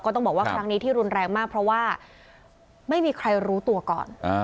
ต้องบอกว่าครั้งนี้ที่รุนแรงมากเพราะว่าไม่มีใครรู้ตัวก่อน